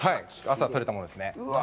朝取れたものですね。